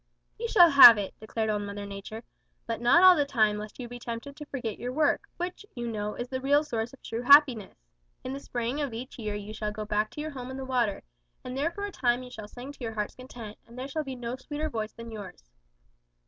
"'You shall have it,' declared Old Mother Nature, 'but not all the time lest you be tempted to forget your work, which, you know, is the real source of true happiness. In the spring of each year you shall go back to your home in the water, and there for a time you shall sing to your heart's content, and there shall be no sweeter voice than yours.'